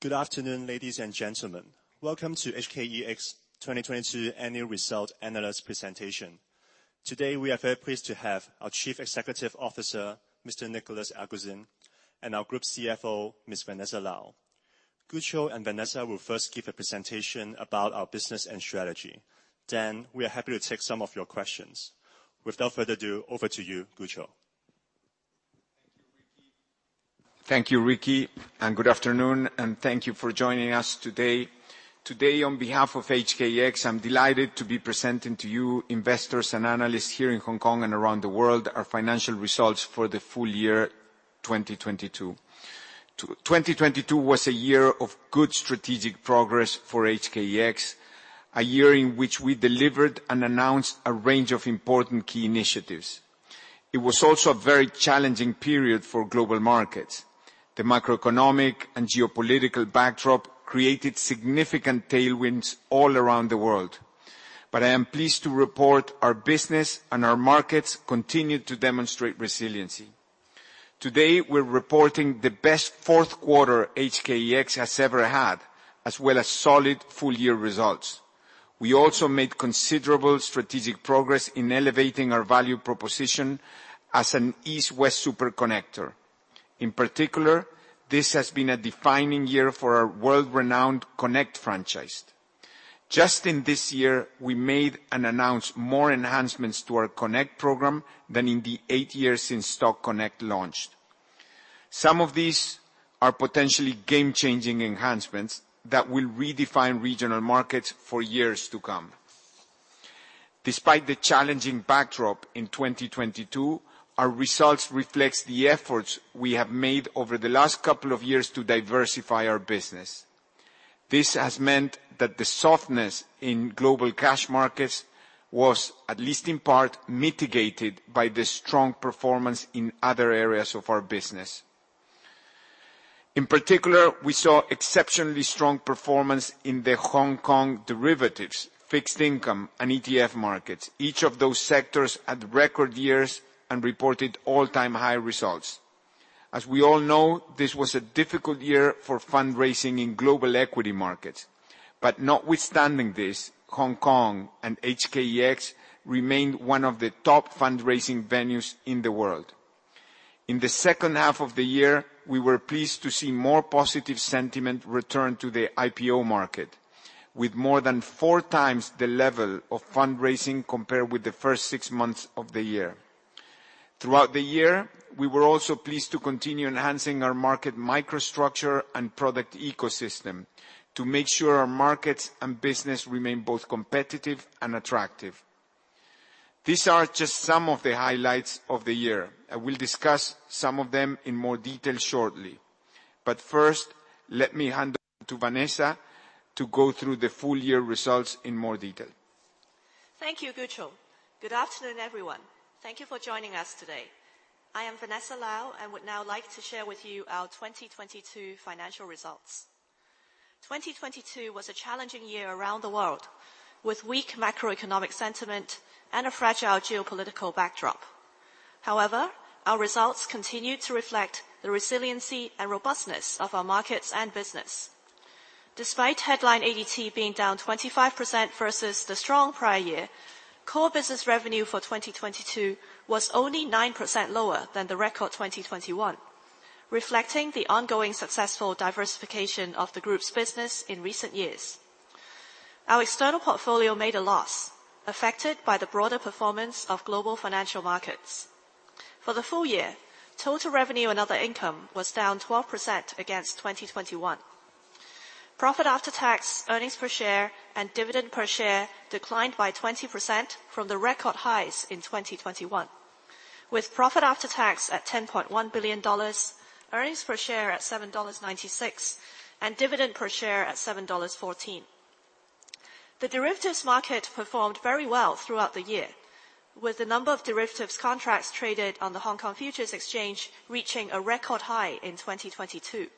Good afternoon, ladies and gentlemen. Welcome to HKEX 2022 Annual Results analyst presentation. Today, we are very pleased to have our Chief Executive Officer, Mr. Nicolas Aguzin, and our Group CFO, Ms. Vanessa Lau. Gucho and Vanessa will first give a presentation about our business and strategy. We are happy to take some of your questions. Without further ado, over to you, Gucho. Thank you, Ricky. Good afternoon, and thank you for joining us today. Today, on behalf of HKEX, I'm delighted to be presenting to you, investors and analysts here in Hong Kong and around the world, our financial results for the full year 2022. 2022 was a year of good strategic progress for HKEX, a year in which we delivered and announced a range of important key initiatives. It was also a very challenging period for global markets. The macroeconomic and geopolitical backdrop created significant tailwinds all around the world. I am pleased to report our business and our markets continued to demonstrate resiliency. Today, we're reporting the best fourth quarter HKEX has ever had, as well as solid full-year results. We also made considerable strategic progress in elevating our value proposition as an East-West Superconnector. In particular, this has been a defining year for our world-renowned Connect franchise. Just in this year, we made and announced more enhancements to our Connect program than in the 8 years since Stock Connect launched. Some of these are potentially game-changing enhancements that will redefine regional markets for years to come. Despite the challenging backdrop in 2022, our results reflects the efforts we have made over the last couple of years to diversify our business. This has meant that the softness in global cash markets was, at least in part, mitigated by the strong performance in other areas of our business. In particular, we saw exceptionally strong performance in the Hong Kong derivatives, fixed income, and ETF markets. Each of those sectors had record years and reported all-time high results. As we all know, this was a difficult year for fundraising in global equity markets. Notwithstanding this, Hong Kong and HKEX remained one of the top fundraising venues in the world. In the second half of the year, we were pleased to see more positive sentiment return to the IPO market, with more than four times the level of fundraising compared with the first six months of the year. Throughout the year, we were also pleased to continue enhancing our market microstructure and product ecosystem to make sure our markets and business remain both competitive and attractive. These are just some of the highlights of the year. I will discuss some of them in more detail shortly. First, let me hand over to Vanessa to go through the full year results in more detail. Thank you, Gucho. Good afternoon, everyone. Thank you for joining us today. I am Vanessa Lau, and would now like to share with you our 2022 financial results. 2022 was a challenging year around the world, with weak macroeconomic sentiment and a fragile geopolitical backdrop. However, our results continued to reflect the resiliency and robustness of our markets and business. Despite headline ADT being down 25% versus the strong prior year, core business revenue for 2022 was only 9% lower than the record 2021, reflecting the ongoing successful diversification of the group's business in recent years. Our External Portfolio made a loss, affected by the broader performance of global financial markets. For the full year, total revenue and other income was down 12% against 2021. Profit after tax, earnings per share, and dividend per share declined by 20% from the record highs in 2021, with profit after tax at $10.1 billion, earnings per share at $7.96, and dividend per share at $7.14. The derivatives market performed very well throughout the year, with the number of derivatives contracts traded on the Hong Kong Futures Exchange reaching a record high in 2022.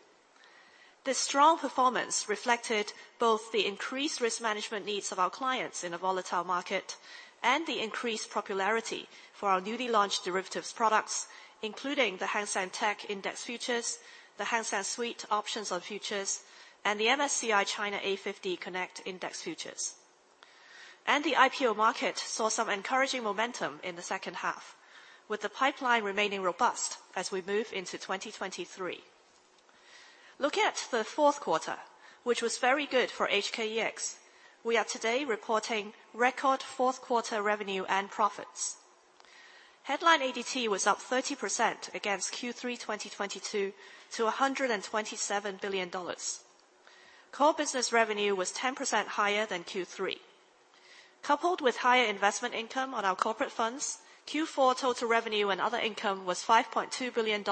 This strong performance reflected both the increased risk management needs of our clients in a volatile market and the increased popularity for our newly launched derivatives products, including the Hang Seng TECH Index Futures, the Hang Seng Suite options on futures, and the MSCI China A 50 Connect Index Futures. The IPO market saw some encouraging momentum in the second half, with the pipeline remaining robust as we move into 2023. Looking at the fourth quarter, which was very good for HKEX, we are today reporting record fourth quarter revenue and profits. Headline ADT was up 30% against Q3_2022 to $127 billion. Core business revenue was 10% higher than Q3. Coupled with higher investment income on our corporate funds, Q4 total revenue and other income was $5.2 billion,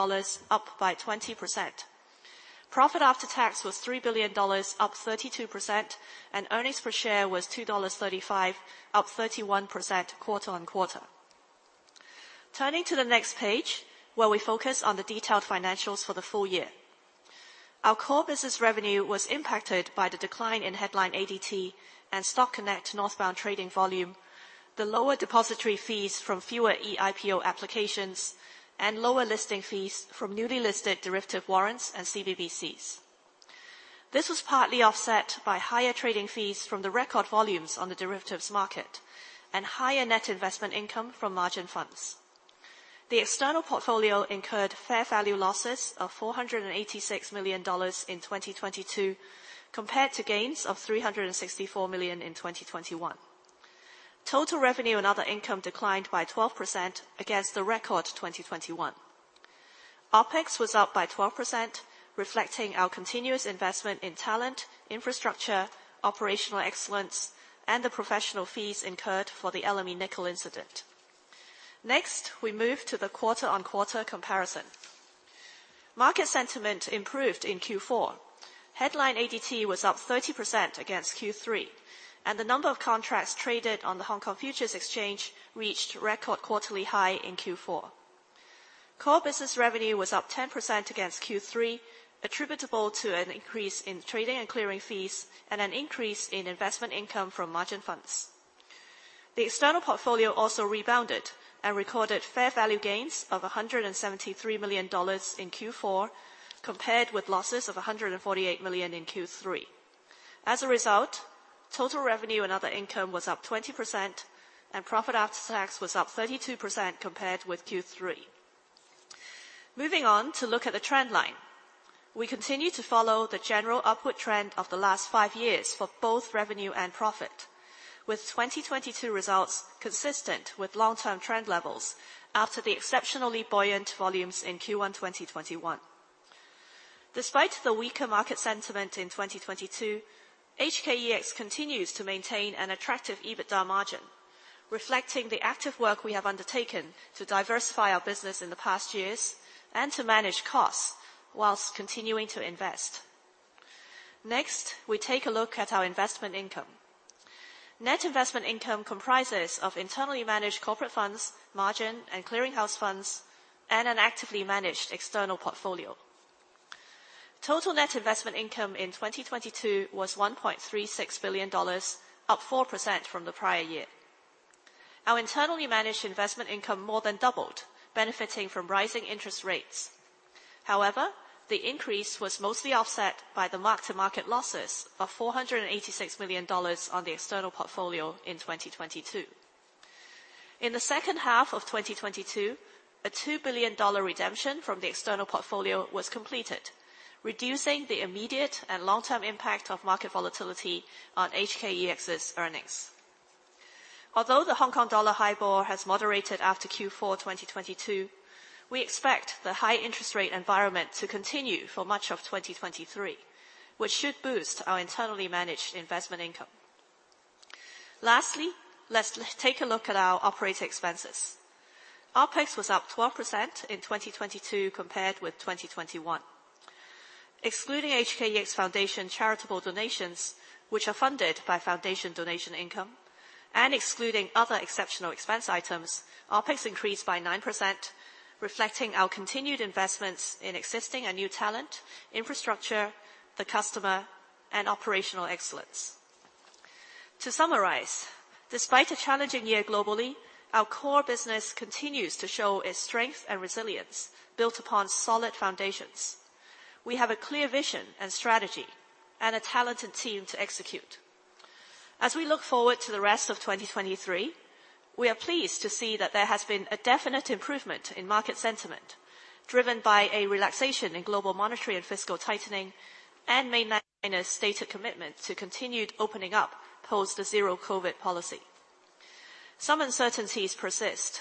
up by 20%. Profit after tax was $3 billion, up 32%, and earnings per share was $2.35, up 31% quarter-on-quarter. Turning to the next page, where we focus on the detailed financials for the full year. Our core business revenue was impacted by the decline in headline ADT and Stock Connect Northbound trading volume, the lower depository fees from fewer EIPO applications, and lower listing fees from newly listed derivative warrants and CBBCs. This was partly offset by higher trading fees from the record volumes on the derivatives market and higher net investment income from margin funds. The External Portfolio incurred fair value losses of $486 million in 2022 compared to gains of $364 million in 2021. Total revenue and other income declined by 12% against the record 2021. OpEx was up by 12%, reflecting our continuous investment in talent, infrastructure, operational excellence, and the professional fees incurred for the LME nickel incident. We move to the quarter-on-quarter comparison. Market sentiment improved in Q4. Headline ADT was up 30% against Q3, and the number of contracts traded on the Hong Kong Futures Exchange reached record quarterly high in Q4. Core business revenue was up 10% against Q3, attributable to an increase in trading and clearing fees and an increase in investment income from margin funds. The External Portfolio also rebounded and recorded fair value gains of HKD 173 million in Q4 compared with losses of HKD 148 million in Q3. As a result, total revenue and other income was up 20% and profit after tax was up 32% compared with Q3. Moving on to look at the trend line. We continue to follow the general upward trend of the last 5 years for both revenue and profit, with 2022 results consistent with long-term trend levels after the exceptionally buoyant volumes in Q1 2021. Despite the weaker market sentiment in 2022, HKEX continues to maintain an attractive EBITDA margin, reflecting the active work we have undertaken to diversify our business in the past years and to manage costs while continuing to invest. Next, we take a look at our investment income. Net investment income comprises of internally managed corporate funds, margin, and clearing house funds, and an actively managed external portfolio. Total net investment income in 2022 was 1.36 billion dollars, up 4% from the prior year. Our internally managed investment income more than doubled, benefiting from rising interest rates. However, the increase was mostly offset by the mark-to-market losses of 486 million dollars on the External Portfolio in 2022. In the second half of 2022, a $2 billion redemption from the External Portfolio was completed, reducing the immediate and long-term impact of market volatility on HKEX's earnings. Although the Hong Kong dollar HIBOR has moderated after Q4 2022, we expect the high interest rate environment to continue for much of 2023, which should boost our internally managed investment income. Lastly, let's take a look at our operating expenses. OpEx was up 12% in 2022 compared with 2021. Excluding HKEX Foundation charitable donations, which are funded by foundation donation income and excluding other exceptional expense items, OpEx increased by 9%, reflecting our continued investments in existing and new talent, infrastructure, the customer, and operational excellence. To summarize, despite a challenging year globally, our core business continues to show its strength and resilience built upon solid foundations. We have a clear vision and strategy and a talented team to execute. As we look forward to the rest of 2023, we are pleased to see that there has been a definite improvement in market sentiment, driven by a relaxation in global monetary and fiscal tightening and mainland China's stated commitment to continued opening up post the zero-COVID policy. Some uncertainties persist.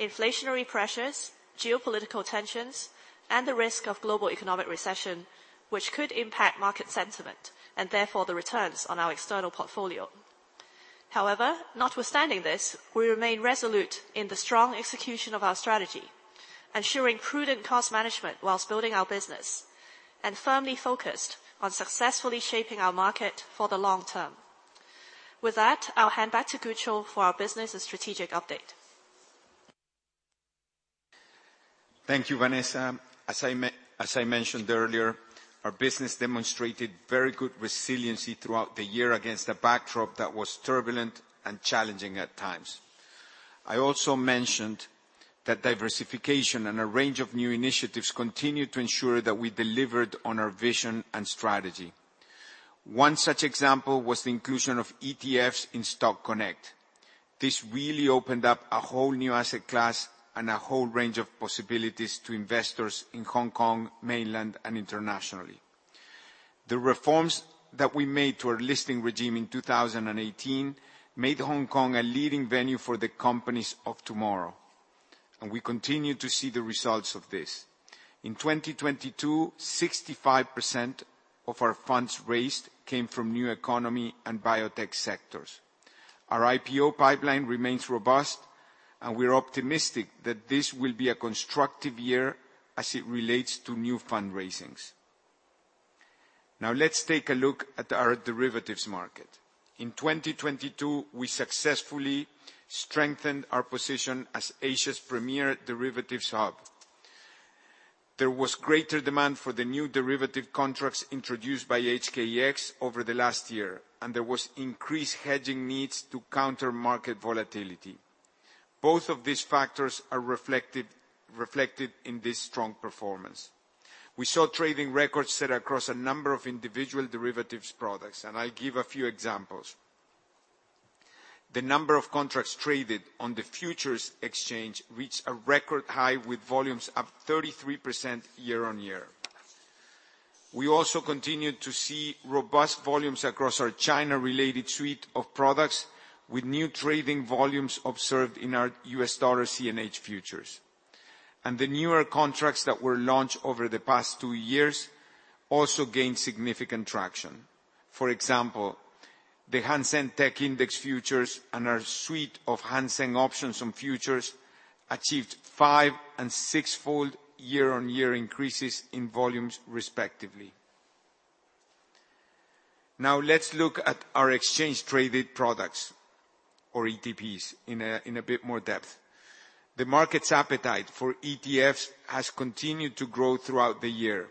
Inflationary pressures, geopolitical tensions, and the risk of global economic recession, which could impact market sentiment and therefore the returns on our external portfolio. Notwithstanding this, we remain resolute in the strong execution of our strategy, ensuring prudent cost management while building our business and firmly focused on successfully shaping our market for the long term. With that, I'll hand back to Gucho for our business and strategic update. Thank you, Vanessa. As I mentioned earlier, our business demonstrated very good resiliency throughout the year against a backdrop that was turbulent and challenging at times. I also mentioned that diversification and a range of new initiatives continued to ensure that we delivered on our vision and strategy. One such example was the inclusion of ETFs in Stock Connect. This really opened up a whole new asset class and a whole range of possibilities to investors in Hong Kong, Mainland, and internationally. The reforms that we made to our listing regime in 2018 made Hong Kong a leading venue for the companies of tomorrow, and we continue to see the results of this. In 2022, 65% of our funds raised came from new economy and biotech sectors. Our IPO pipeline remains robust. We're optimistic that this will be a constructive year as it relates to new fundraisings. Let's take a look at our derivatives market. In 2022, we successfully strengthened our position as Asia's premier derivatives hub. There was greater demand for the new derivative contracts introduced by HKEX over the last year. There was increased hedging needs to counter market volatility. Both of these factors are reflected in this strong performance. We saw trading records set across a number of individual derivatives products. I'll give a few examples. The number of contracts traded on the futures exchange reached a record high with volumes up 33% year-on-year. We also continued to see robust volumes across our China-related suite of products with new trading volumes observed in our US dollar CNH futures. The newer contracts that were launched over the past two years also gained significant traction. For example, the Hang Seng TECH Index Futures and our suite of Hang Seng options and futures achieved 5 and 6-fold year-on-year increases in volumes respectively. Now let's look at our exchange-traded products or ETPs in a bit more depth. The market's appetite for ETFs has continued to grow throughout the year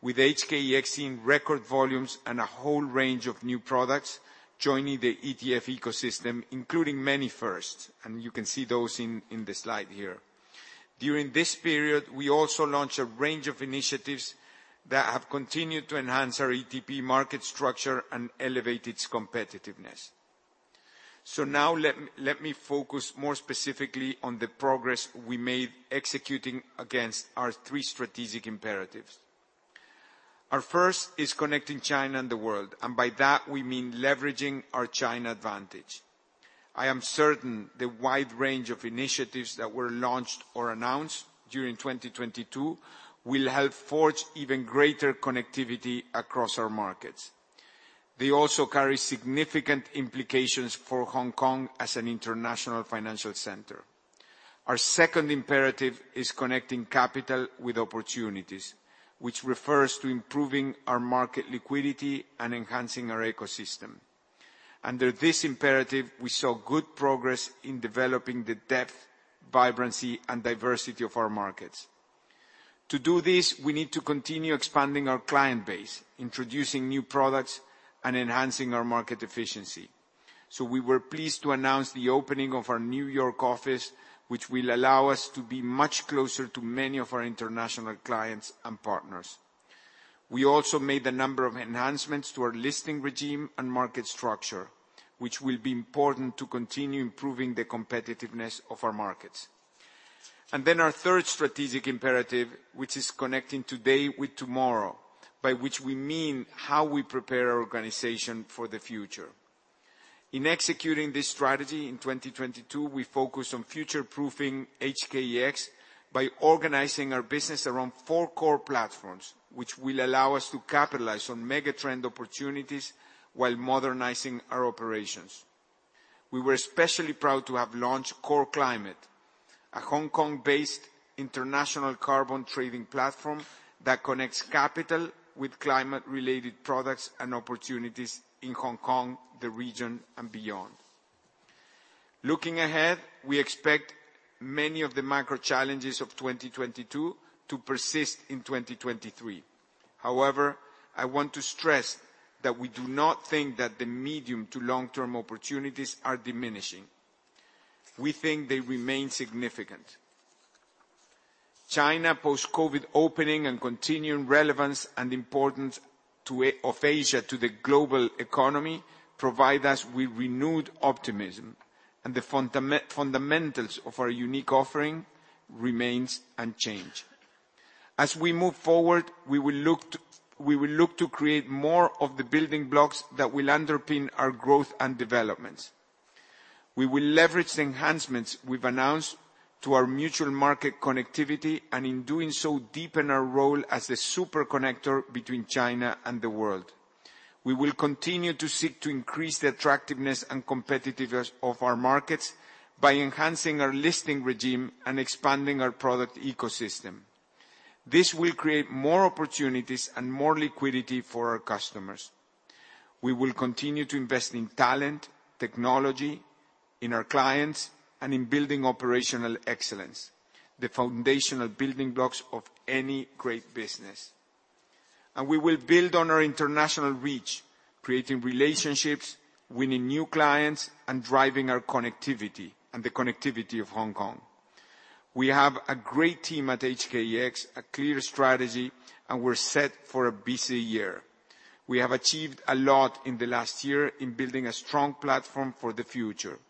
with HKEX seeing record volumes and a whole range of new products joining the ETF ecosystem, including many firsts, and you can see those in the slide here. During this period, we also launched a range of initiatives that have continued to enhance our ETP market structure and elevate its competitiveness. Now let me focus more specifically on the progress we made executing against our three strategic imperatives. Our first is connecting China and the world. By that we mean leveraging our China advantage. I am certain the wide range of initiatives that were launched or announced during 2022 will help forge even greater connectivity across our markets. They also carry significant implications for Hong Kong as an international financial center. Our second imperative is connecting capital with opportunities, which refers to improving our market liquidity and enhancing our ecosystem. Under this imperative, we saw good progress in developing the depth, vibrancy, and diversity of our markets. To do this, we need to continue expanding our client base, introducing new products, and enhancing our market efficiency. We were pleased to announce the opening of our New York office, which will allow us to be much closer to many of our international clients and partners. We also made a number of enhancements to our listing regime and market structure, which will be important to continue improving the competitiveness of our markets. Our third strategic imperative, which is connecting today with tomorrow, by which we mean how we prepare our organization for the future. In executing this strategy in 2022, we focused on future-proofing HKEX by organizing our business around four core platforms, which will allow us to capitalize on mega-trend opportunities while modernizing our operations. We were especially proud to have launched Core Climate, a Hong Kong-based international carbon trading platform that connects capital with climate-related products and opportunities in Hong Kong, the region, and beyond. Looking ahead, we expect many of the macro challenges of 2022 to persist in 2023. I want to stress that we do not think that the medium to long-term opportunities are diminishing. We think they remain significant. China post-COVID opening and continuing relevance and importance to of Asia to the global economy provide us with renewed optimism. The fundamentals of our unique offering remains unchanged. As we move forward, we will look to create more of the building blocks that will underpin our growth and developments. We will leverage the enhancements we've announced to our mutual market connectivity. In doing so, deepen our role as the super connector between China and the world. We will continue to seek to increase the attractiveness and competitiveness of our markets by enhancing our listing regime and expanding our product ecosystem. This will create more opportunities and more liquidity for our customers. We will continue to invest in talent, technology, in our clients, and in building operational excellence, the foundational building blocks of any great business. We will build on our international reach, creating relationships, winning new clients, and driving our connectivity and the connectivity of Hong Kong. We have a great team at HKEX, a clear strategy, and we're set for a busy year. We have achieved a lot in the last year in building a strong platform for the future.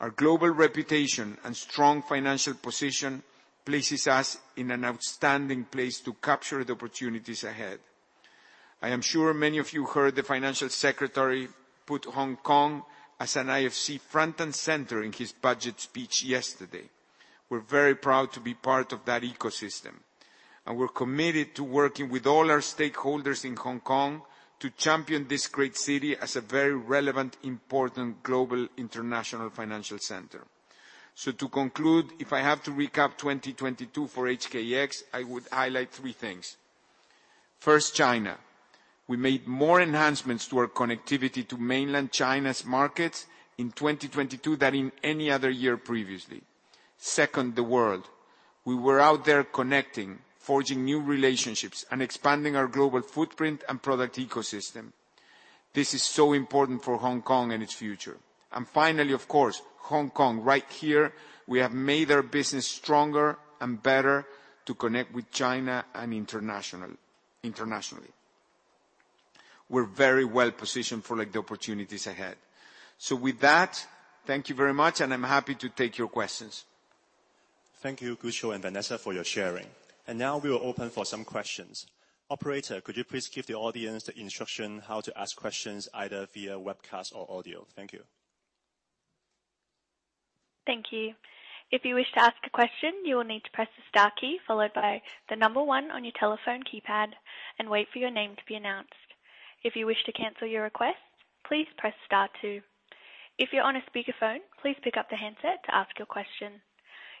Our global reputation and strong financial position places us in an outstanding place to capture the opportunities ahead. I am sure many of you heard the Financial Secretary put Hong Kong as an IFC front and center in his budget speech yesterday. We're very proud to be part of that ecosystem, and we're committed to working with all our stakeholders in Hong Kong to champion this great city as a very relevant, important global international financial center. To conclude, if I have to recap 2022 for HKEX, I would highlight three things. First, China. We made more enhancements to our connectivity to mainland China's markets in 2022 than in any other year previously. Second, the world. We were out there connecting, forging new relationships, and expanding our global footprint and product ecosystem. This is so important for Hong Kong and its future. Finally, of course, Hong Kong, right here, we have made our business stronger and better to connect with China and internationally. We're very well-positioned for, like, the opportunities ahead. With that, thank you very much, and I'm happy to take your questions. Thank you, Gucho and Vanessa Lau, for your sharing. Now we will open for some questions. Operator, could you please give the audience the instruction how to ask questions either via webcast or audio? Thank you. Thank you. If you wish to ask a question, you will need to press the star key followed by the number 1 on your telephone keypad and wait for your name to be announced. If you wish to cancel your request, please press star 2. If you're on a speakerphone, please pick up the handset to ask your question.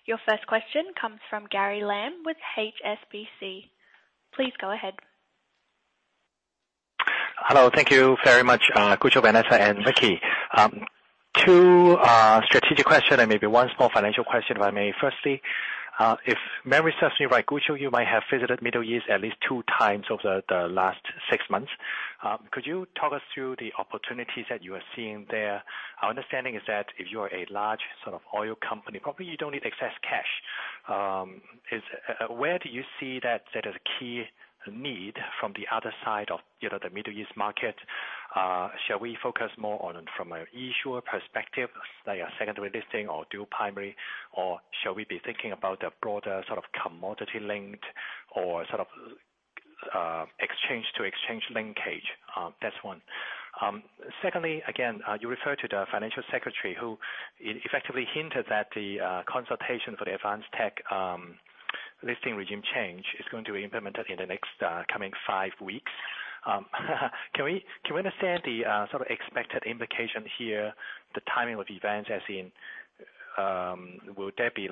Your first question comes from Gary Lam with HSBC. Please go ahead. Hello. Thank you very much, Gucho, Vanessa, and Ricky. Two strategic question and maybe one small financial question, if I may. Firstly, if memory serves me right, Gucho, you might have visited Middle East at least two times over the last six months. Could you talk us through the opportunities that you are seeing there? Our understanding is that if you're a large sort of oil company, probably you don't need excess cash. Where do you see that as a key need from the other side of, you know, the Middle East market? Shall we focus more on from an issuer perspective, like a secondary listing or dual primary, or shall we be thinking about the broader sort of commodity linked or sort of, exchange to exchange linkage? That's one. Secondly, you referred to the Financial Secretary who effectively hinted that the consultation for the Specialist Technology listing regime change is going to be implemented in the next coming 5 weeks. Can we understand the expected implication here, the timing of events, as in, will there be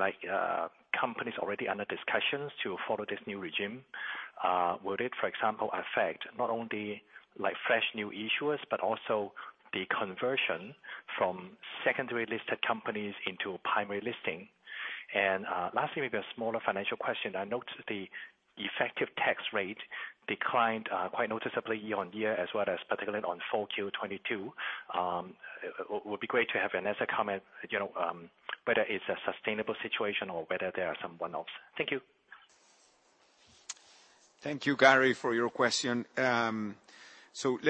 companies already under discussions to follow this new regime? Would it, for example, affect not only fresh new issuers but also the conversion from secondary listed companies into primary listing? Lastly, maybe a smaller financial question. I noticed the effective tax rate declined quite noticeably year-on-year as well as particularly on Q4 2022. Would be great to have Vanessa comment, you know, whether it's a sustainable situation or whether they are some one-offs. Thank you. Thank you, Gary, for your question. Let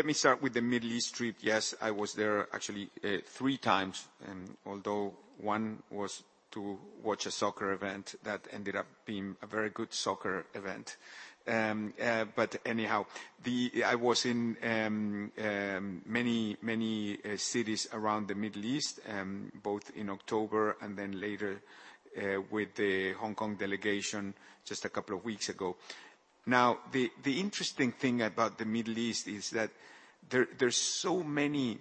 me start with the Middle East trip. Yes, I was there actually, three times, and although one was to watch a soccer event, that ended up being a very good soccer event. But anyhow, I was in many, many cities around the Middle East, both in October and then later, with the Hong Kong delegation just a couple of weeks ago. The interesting thing about the Middle East is that there's so many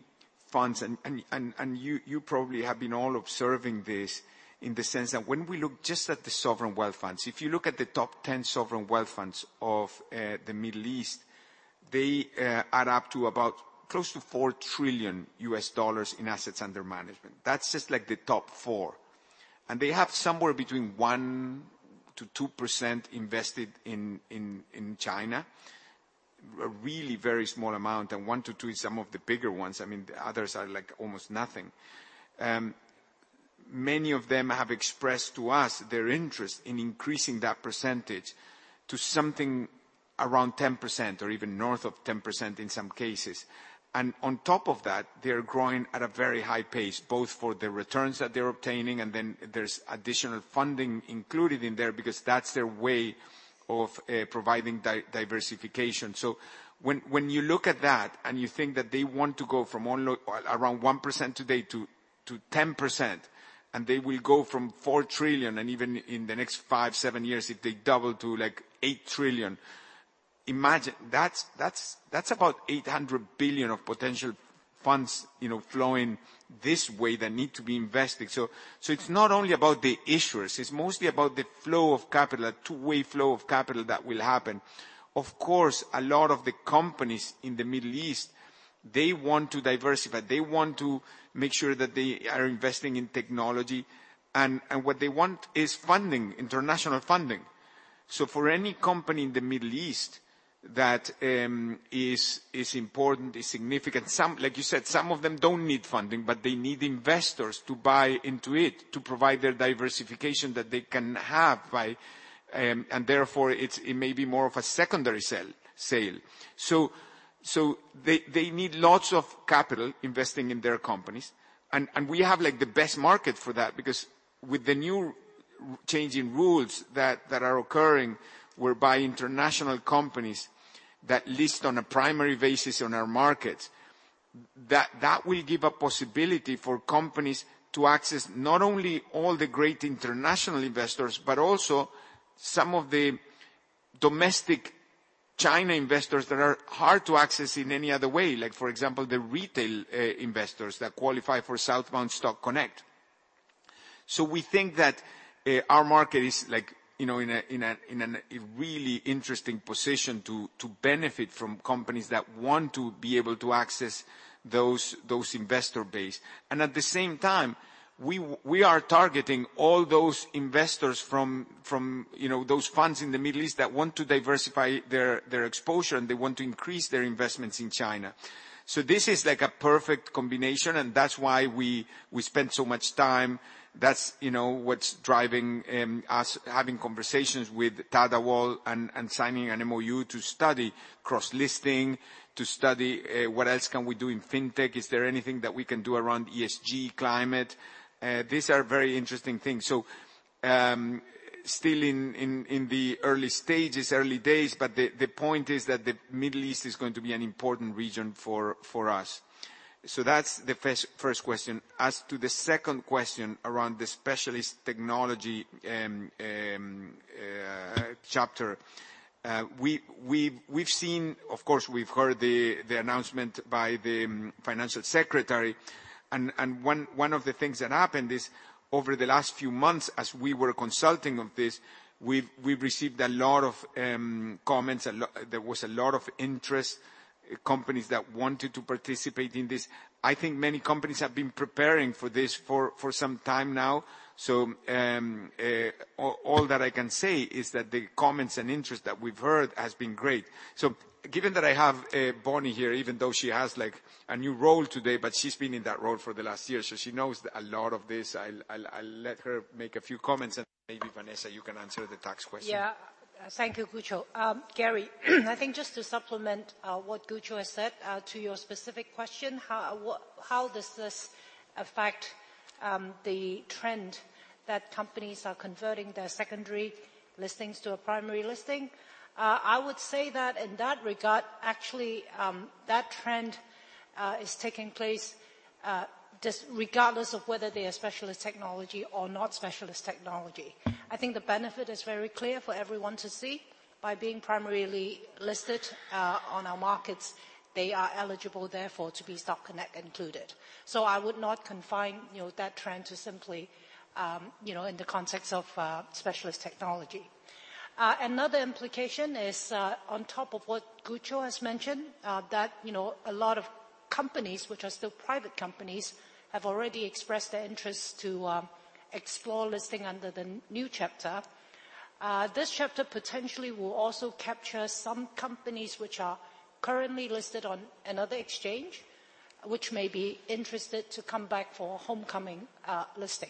funds and you probably have been all observing this in the sense that when we look just at the sovereign wealth funds, if you look at the top 10 sovereign wealth funds of the Middle East, they add up to about close to $4 trillion in assets under management. That's just, like, the top four. They have somewhere between 1%-2% invested in, in China, a really very small amount, and 1%-2% is some of the bigger ones. I mean, the others are, like, almost nothing. Many of them have expressed to us their interest in increasing that percentage to something around 10% or even north of 10% in some cases. On top of that, they're growing at a very high pace, both for the returns that they're obtaining, and then there's additional funding included in there because that's their way of providing diversification. When you look at that and you think that they want to go from only around 1% today to 10%, and they will go from $4 trillion, and even in the next five, seven years, if they double to, like, $8 trillion, imagine, that's about $800 billion of potential funds, you know, flowing this way that need to be invested. It's not only about the issuers, it's mostly about the flow of capital, a two-way flow of capital that will happen. Of course, a lot of the companies in the Middle East, they want to diversify. They want to make sure that they are investing in technology, and what they want is funding, international funding. For any company in the Middle East that is important, is significant. Like you said, some of them don't need funding, but they need investors to buy into it to provide their diversification that they can have by, and therefore it's, it may be more of a secondary sale. They need lots of capital investing in their companies and we have, like, the best market for that because with the new changing rules that are occurring, whereby international companies that list on a primary basis on our markets, that will give a possibility for companies to access not only all the great international investors, but also some of the domestic China investors that are hard to access in any other way, like, for example, the retail investors that qualify for Southbound Stock Connect. We think that our market is like, you know, in a really interesting position to benefit from companies that want to be able to access those investor base. At the same time, we are targeting all those investors from, you know, those funds in the Middle East that want to diversify their exposure, and they want to increase their investments in China. This is like a perfect combination, and that's why we spend so much time. That's, you know, what's driving us having conversations with Tadawul and signing an MoU to study cross-listing, to study what else can we do in FinTech? Is there anything that we can do around ESG, climate? These are very interesting things. Still in the early stages, early days, but the point is that the Middle East is going to be an important region for us. That's the first question. As to the second question around the Specialist Technology chapter, we've seen. Of course, we've heard the announcement by the Financial Secretary. One of the things that happened is, over the last few months as we were consulting on this, we've received a lot of comments. There was a lot of interest, companies that wanted to participate in this. I think many companies have been preparing for this for some time now. All that I can say is that the comments and interest that we've heard has been great. Given that I have Bonnie here, even though she has, like, a new role today, but she's been in that role for the last year, so she knows a lot of this. I'll let her make a few comments and maybe Vanessa, you can answer the tax question. Yeah. Thank you, Gucho. Gary, I think just to supplement what Gucho has said, to your specific question, how does this affect the trend that companies are converting their secondary listings to a primary listing? I would say that in that regard, actually, that trend is taking place regardless of whether they are Specialist Technology or not Specialist Technology. I think the benefit is very clear for everyone to see. By being primarily listed on our markets, they are eligible therefore to be Stock Connect included. I would not confine, you know, that trend to simply, you know, in the context of Specialist Technology. Another implication is, on top of what Gucho has mentioned, that, you know, a lot of companies which are still private companies have already expressed their interest to explore listing under the new chapter. This chapter potentially will also capture some companies which are currently listed on another exchange, which may be interested to come back for homecoming listing.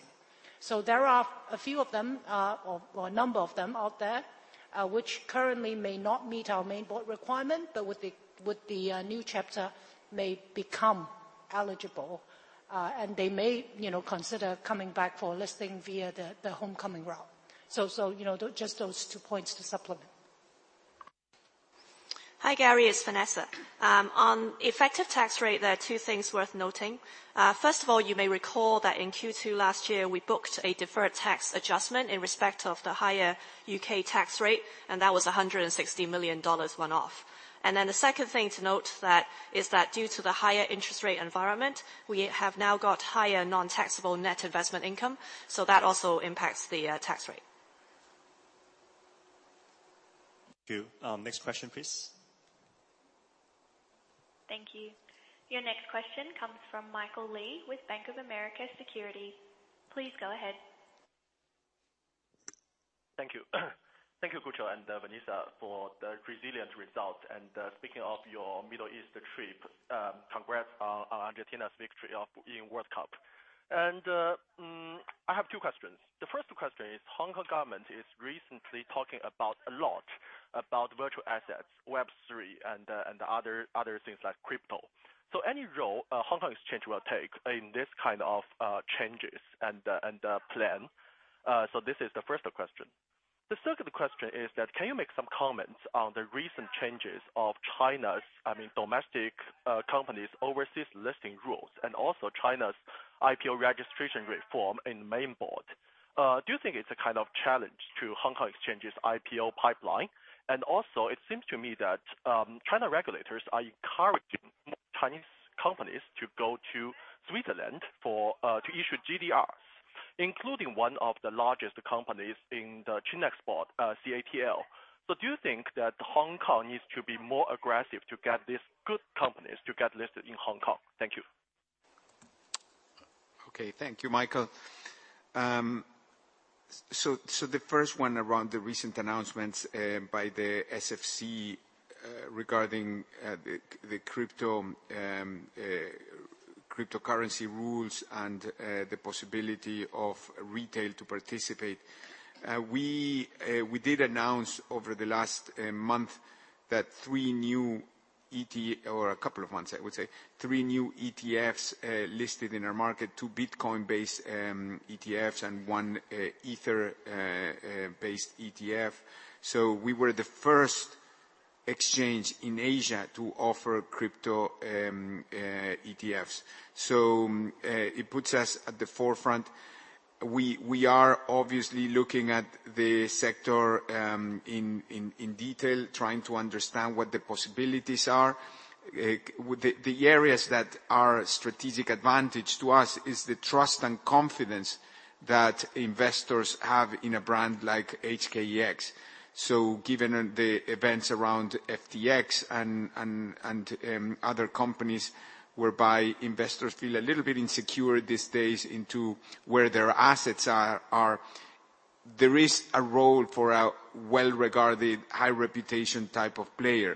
There are a few of them, or a number of them out there, which currently may not meet our Main Board requirement, but with the new chapter may become eligible. They may, you know, consider coming back for listing via the homecoming route. You know, just those two points to supplement. Hi, Gary, it's Vanessa. On effective tax rate, there are two things worth noting. First of all, you may recall that in Q2 last year, we booked a deferred tax adjustment in respect of the higher U.K. tax rate, and that was $160 million one-off. The second thing to note is that due to the higher interest rate environment, we have now got higher non-taxable net investment income, so that also impacts the tax rate. Thank you. Next question, please. Thank you. Your next question comes from Michael Li with Bank of America Securities. Please go ahead. Thank you. Thank you, Gucho and Vanessa for the resilient results. Speaking of your Middle East trip, congrats on Argentina's victory of, in World Cup. I have two questions. The first question is, Hong Kong Government is recently talking about a lot about Virtual Assets, Web3 and other things like crypto. Any role Hong Kong Exchange will take in this kind of changes and plan? This is the first question. The second question is that can you make some comments on the recent changes of China's domestic companies' overseas listing rules, and also China's IPO registration reform in the Main Board? Do you think it's a kind of challenge to Hong Kong Exchange's IPO pipeline? It seems to me that China regulators are encouraging more Chinese companies to go to Switzerland for to issue GDRs, including one of the largest companies in the C 連 板, CATL. Do you think that Hong Kong needs to be more aggressive to get these good companies to get listed in Hong Kong? Thank you. Okay. Thank you, Michael. So the first one around the recent announcements by the SFC regarding the cryptocurrency rules and the possibility of retail to participate. We did announce over the last month that 3 new ETFs, or a couple of months, I would say, 3 new ETFs listed in our market, 2 Bitcoin-based ETFs and 1 Ether-based ETF. We were the first Exchange in Asia to offer crypto ETFs. It puts us at the forefront. We are obviously looking at the sector in detail, trying to understand what the possibilities are. The areas that are strategic advantage to us is the trust and confidence that investors have in a brand like HKEX. Given the events around FTX and other companies whereby investors feel a little bit insecure these days into where their assets are, there is a role for a well-regarded, high-reputation type of player.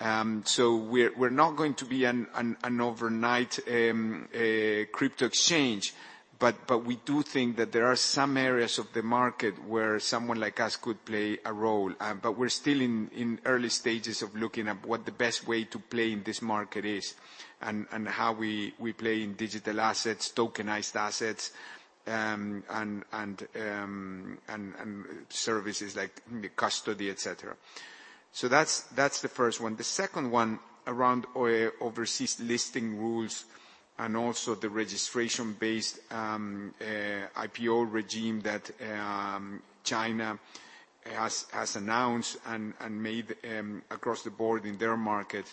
We're not going to be an overnight crypto exchange, but we do think that there are some areas of the market where someone like us could play a role. We're still in early stages of looking at what the best way to play in this market is and how we play in digital assets, tokenized assets, and services like custody, et cetera. That's the first one. The second one around overseas listing rules and also the registration-based IPO regime that China has announced and made across the board in their market.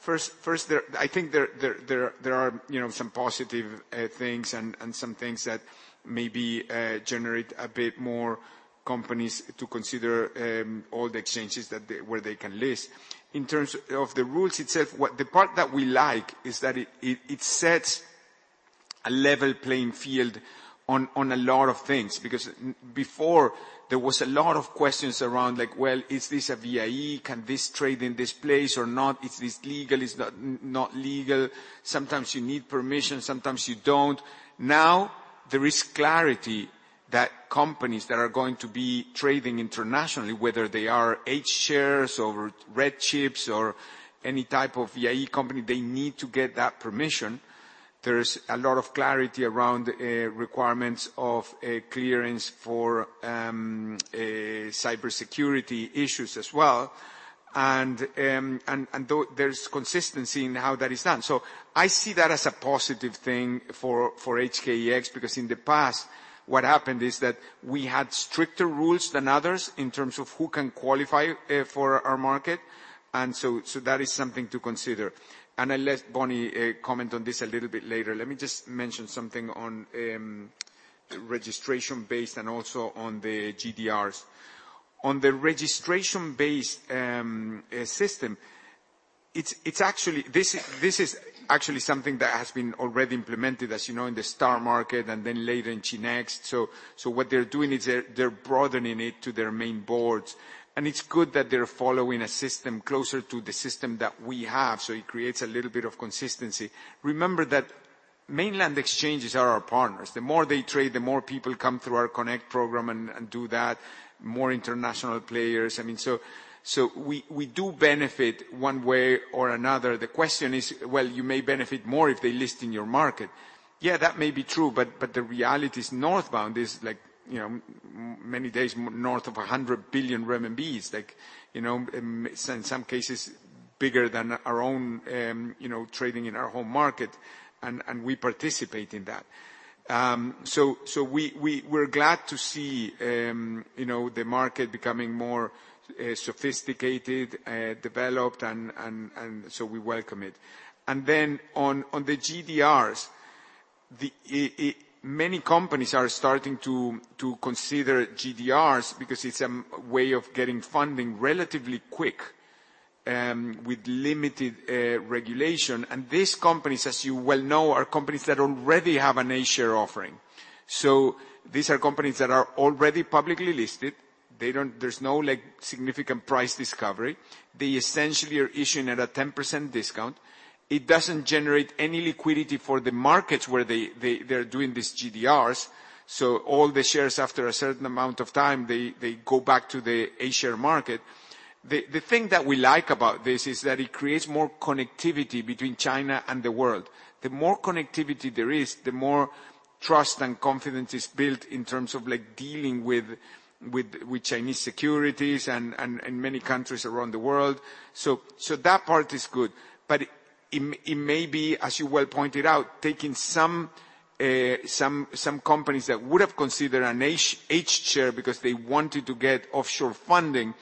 First there, I think there are, you know, some positive things and some things that maybe generate a bit more companies to consider all the exchanges that they, where they can list. In terms of the rules itself, the part that we like is that it, it sets a level playing field on a lot of things. Because before there was a lot of questions around like, "Well, is this a VIE? Can this trade in this place or not? Is this legal, is not legal?" Sometimes you need permission, sometimes you don't. There is clarity that companies that are going to be trading internationally, whether they are H-shares or Red Chips or any type of VIE company, they need to get that permission. There is a lot of clarity around requirements of a clearance for cybersecurity issues as well. There's consistency in how that is done. I see that as a positive thing for HKEX, because in the past what happened is that we had stricter rules than others in terms of who can qualify for our market, so that is something to consider. I'll let Bonnie comment on this a little bit later. Let me just mention something on registration base and also on the GDRs. On the registration-based system, it's actually, this is actually something that has been already implemented, as you know, in the STAR Market and then later in ChiNext. What they're doing is they're broadening it to their Main Boards. It's good that they're following a system closer to the system that we have, so it creates a little bit of consistency. Remember that mainland exchanges are our partners. The more they trade, the more people come through our Connect program and do that, the more international players. I mean, we do benefit one way or another. The question is, "Well, you may benefit more if they list in your market." Yeah, that may be true, but the reality is northbound is like, you know, many days north of 100 billion RMB. Like, you know, in some cases bigger than our own, you know, trading in our home market and we participate in that. So we're glad to see, you know, the market becoming more sophisticated, developed, and so we welcome it. On the GDRs, many companies are starting to consider GDRs because it's a way of getting funding relatively quick, with limited regulation. These companies, as you well know, are companies that already have an H-share offering. These are companies that are already publicly listed. There's no, like, significant price discovery. They essentially are issuing at a 10% discount. It doesn't generate any liquidity for the markets where they're doing these GDRs. All the shares after a certain amount of time, they go back to the H-share market. The thing that we like about this is that it creates more connectivity between China and the world. The more connectivity there is, the more trust and confidence is built in terms of like dealing with Chinese securities and many countries around the world. That part is good. It may be, as you well pointed out, taking some companies that would have considered an H-share because they wanted to get offshore funding.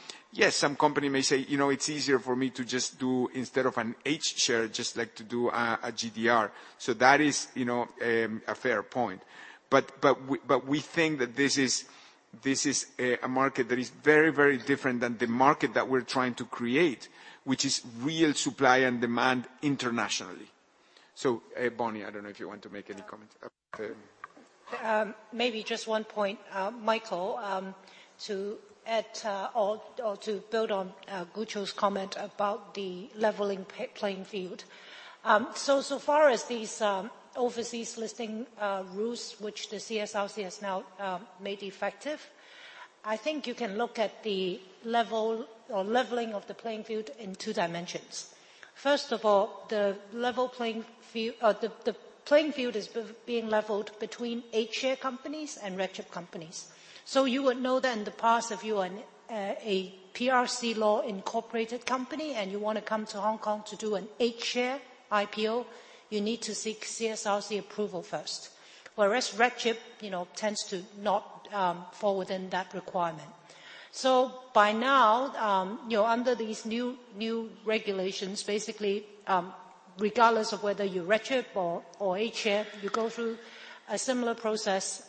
Some company may say, "You know, it's easier for me to just do instead of an H-share, just like to do a GDR." That is, you know, a fair point. We think that this is a market that is very, very different than the market that we're trying to create, which is real supply and demand internationally. So, Bonnie, I don't know if you want to make any comments about the-. Maybe just one point, Michael, to add, or to build on, Gucho's comment about the leveling playing field. So far as these, overseas listing, rules which the CSRC has now, made effective, I think you can look at the level or leveling of the playing field in two dimensions The playing field is being leveled between H-share companies and Red Chip companies. You would know that in the past, if you are an a PRC law incorporated company, and you wanna come to Hong Kong to do an H-share IPO, you need to seek CSRC approval first. Whereas Red Chip, you know, tends to not fall within that requirement. By now, you know, under these new regulations, basically, regardless of whether you're Red Chip or H-share, you go through a similar process.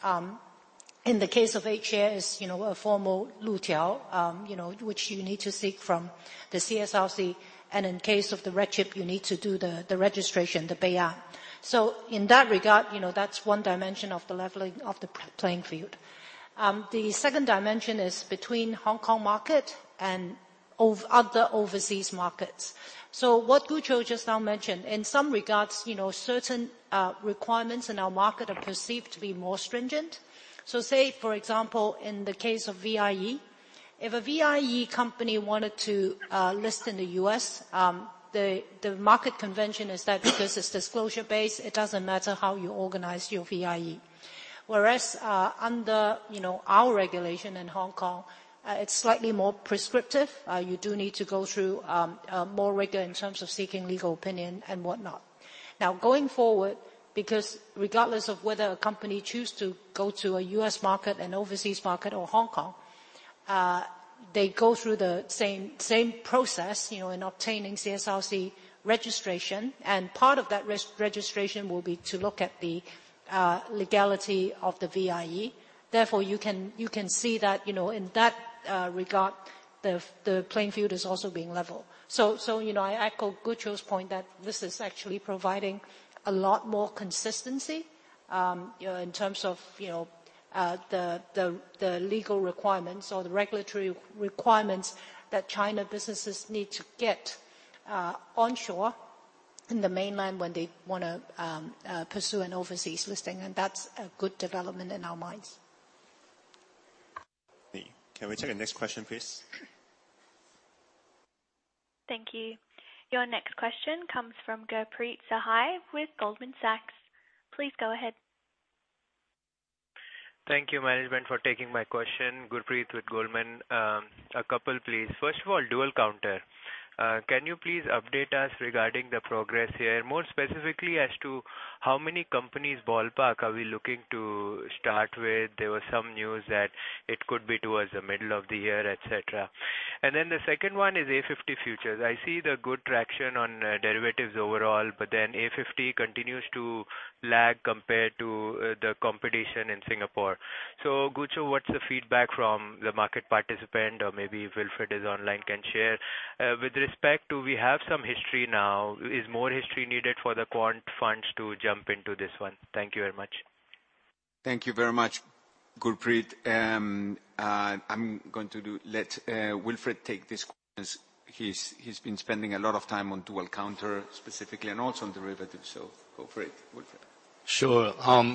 In the case of H-share, it's, you know, a formal approval, you know, which you need to seek from the CSRC, and in case of the Red Chip, you need to do the registration, the bei'an. In that regard, you know, that's one dimension of the leveling of the playing field. The second dimension is between Hong Kong market and other overseas markets. What Gucho just now mentioned, in some regards, you know, certain requirements in our market are perceived to be more stringent. Say, for example, in the case of VIE, if a VIE company wanted to list in the U.S., the market convention is that because it's disclosure-based, it doesn't matter how you organize your VIE. Whereas, under, you know, our regulation in Hong Kong, it's slightly more prescriptive. You do need to go through a more rigor in terms of seeking legal opinion and whatnot. Now, going forward, because regardless of whether a company choose to go to a U.S. market, an overseas market, or Hong Kong, they go through the same process, you know, in obtaining CSRC registration. Part of that registration will be to look at the legality of the VIE. Therefore, you can see that, you know, in that regard, the playing field is also being leveled. You know, I echo Gucho's point that this is actually providing a lot more consistency, you know, in terms of, you know, the legal requirements or the regulatory requirements that China businesses need to get onshore in the mainland when they wanna pursue an overseas listing. That's a good development in our minds. Can we take the next question, please? Thank you. Your next question comes from Gurpreet Sahi with Goldman Sachs. Please go ahead. Thank you, management, for taking my question. Gurpreet with Goldman Sachs. A couple, please. First of all, Dual Counter. Can you please update us regarding the progress here? More specifically as to how many companies, ballpark, are we looking to start with? There was some news that it could be towards the middle of the year, et cetera. The second one is A50 futures. I see the good traction on derivatives overall, A50 continues to lag compared to the competition in Singapore. Gucho, what's the feedback from the market participant, or maybe Wilfred is online can share. With respect to we have some history now, is more history needed for the quant funds to jump into this one? Thank you very much. Thank you very much, Gurpreet. I'm going to let Wilfred take this one since he's been spending a lot of time on Dual Counter specifically and also on derivatives. Go for it, Wilfred. Sure.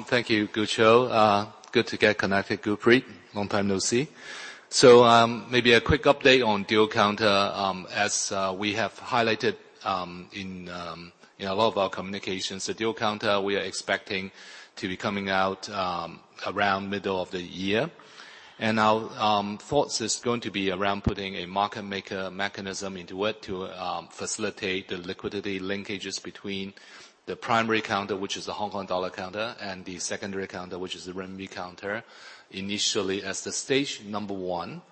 Thank you, Gucho. Good to get connected, Gurpreet. Long time no see. Maybe a quick update on Dual Counter. As we have highlighted in a lot of our communications, the Dual Counter we are expecting to be coming out around middle of the year. Our thoughts is going to be around putting a market maker mechanism into it to facilitate the liquidity linkages between the primary counter, which is the Hong Kong dollar counter, and the secondary counter, which is the renminbi counter, initially as the stage number 1.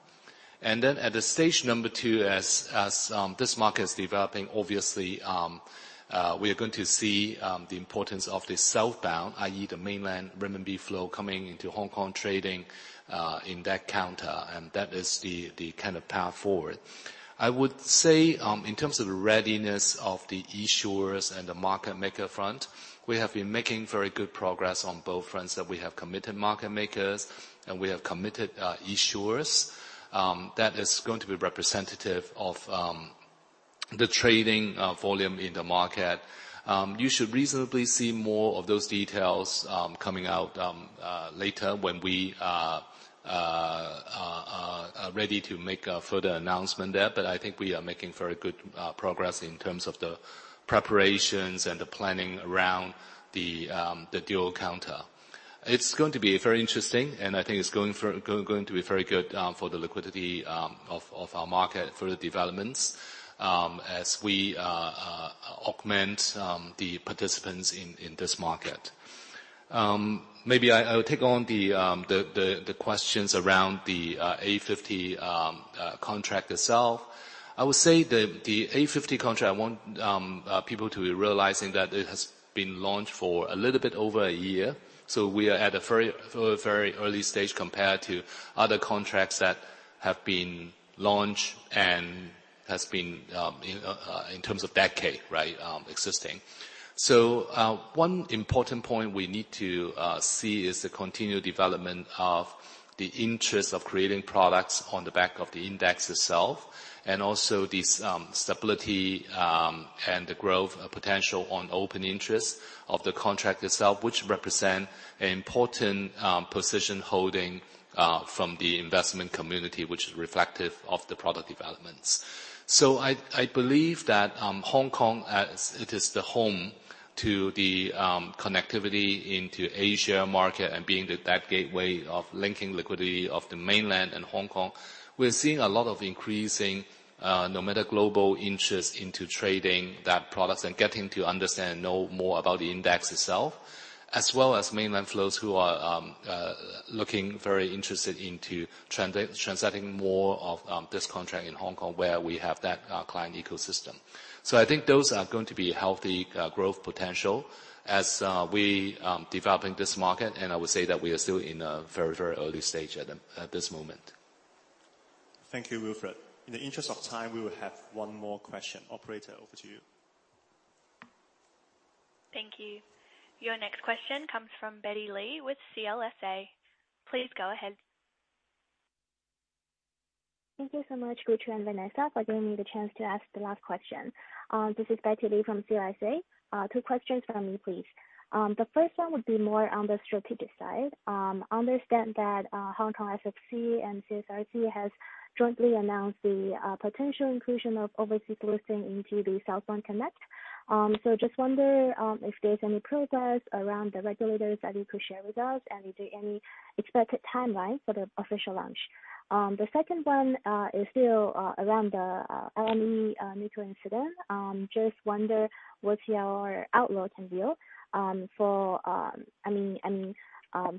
At stage 2, as this market is developing, obviously, we are going to see the importance of the Southbound, i.e., the mainland Renminbi flow coming into Hong Kong trading in that counter, and that is the kind of path forward. I would say, in terms of the readiness of the issuers and the market maker front, we have been making very good progress on both fronts, that we have committed market makers and we have committed issuers that is going to be representative of the trading volume in the market. You should reasonably see more of those details coming out later when we are ready to make a further announcement there. I think we are making very good progress in terms of the preparations and the planning around the Dual Counter. It's going to be very interesting, and I think it's going to be very good for the liquidity of our market further developments as we augment the participants in this market. Maybe I will take on the questions around the A50 contract itself. I would say the A50 contract, I want people to be realizing that it has been launched for a little bit over a year, so we are at a very, very early stage compared to other contracts that have been Launch and has been in terms of decade, right, existing. 1 important point we need to see is the continued development of the interest of creating products on the back of the index itself, and also the stability and the growth potential on open interest of the contract itself, which represent an important position holding from the investment community, which is reflective of the product developments. I believe that Hong Kong as it is the home to the connectivity into Asia market and being that gateway of linking liquidity of the Mainland and Hong Kong, we're seeing a lot of increasing no matter global interest into trading that products and getting to understand, know more about the index itself, as well as Mainland flows who are looking very interested into transacting more of this contract in Hong Kong where we have that client ecosystem. I think those are going to be healthy growth potential as we developing this market. I would say that we are still in a very, very early stage at this moment. Thank you, Wilfred. In the interest of time, we will have one more question. Operator, over to you. Thank you. Your next question comes from Betty Li with CLSA. Please go ahead. Thank you so much, Gucho and Vanessa Lau, for giving me the chance to ask the last question. This is Betty Li from CLSA. Two questions from me, please. The first one would be more on the strategic side. Understand that Hong Kong SFC and CSRC has jointly announced the potential inclusion of overseas listing into the Southbound Connect. Just wonder if there's any progress around the regulators that you could share with us, and is there any expected timeline for the official launch? The second one is still around the LME nickel incident. Just wonder what your outlook and view, for I mean,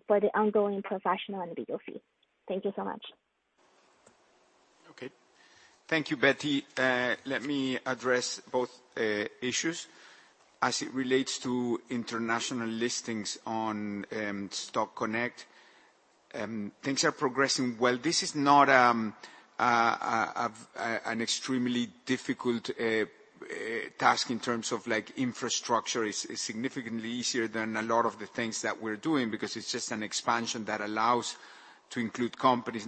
for the ongoing professional and legal fee. Thank you so much. Okay. Thank you, Betty. Let me address both issues. As it relates to international listings on Stock Connect, things are progressing well. This is not an extremely difficult task in terms of, like, infrastructure. It's significantly easier than a lot of the things that we're doing because it's just an expansion that allows to include companies.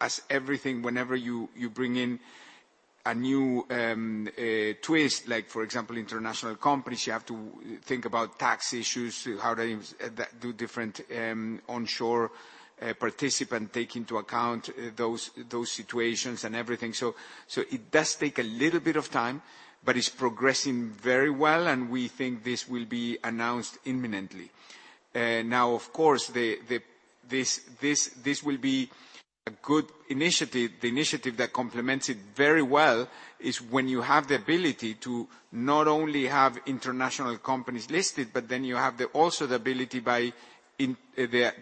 As everything, whenever you bring in a new twist, like for example, international companies, you have to think about tax issues, how they do different onshore participant take into account those situations and everything. It does take a little bit of time, but it's progressing very well and we think this will be announced imminently. Of course, this will be a good initiative. The initiative that complements it very well is when you have the ability to not only have international companies listed, but then you have also the ability by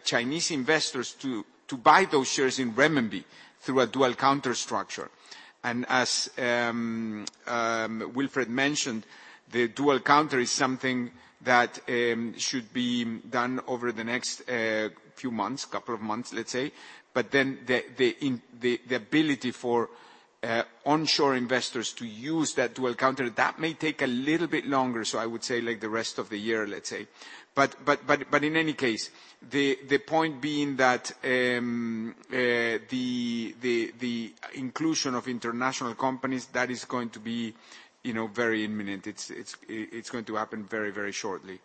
Chinese investors to buy those shares in renminbi through a Dual Counter structure. As Wilfred mentioned, the Dual Counter is something that should be done over the next few months, couple of months, let's say. The ability for onshore investors to use that Dual Counter, that may take a little bit longer, so I would say like the rest of the year, let's say. In any case, the point being that the inclusion of international companies, that is going to be, you know, very imminent. It's going to happen very, very shortly.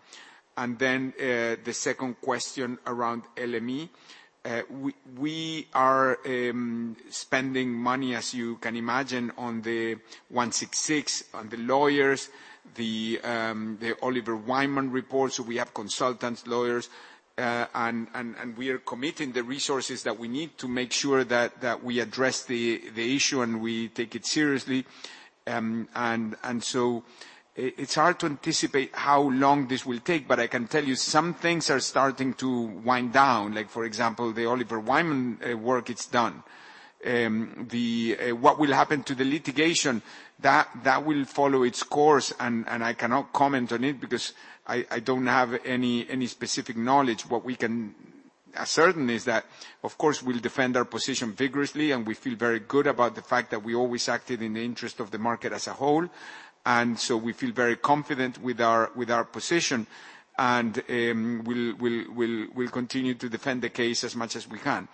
The second question around LME. We are spending money, as you can imagine, on the 166 on the lawyers, the Oliver Wyman report, so we have consultants, lawyers. We are committing the resources that we need to make sure that we address the issue and we take it seriously. It's hard to anticipate how long this will take, but I can tell you some things are starting to wind down, like for example, the Oliver Wyman work, it's done. What will happen to the litigation? That will follow its course and I cannot comment on it because I don't have any specific knowledge. What we can ascertain is that, of course, we'll defend our position vigorously, and we feel very good about the fact that we always acted in the interest of the market as a whole. We feel very confident with our position, and we'll continue to defend the case as much as we can.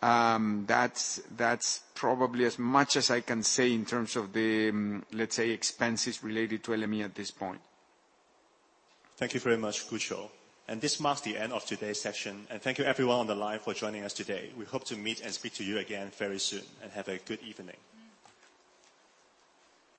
That's probably as much as I can say in terms of the, let's say, expenses related to LME at this point. Thank you very much, Gucho. This marks the end of today's session. Thank you everyone on the line for joining us today. We hope to meet and speak to you again very soon. Have a good evening.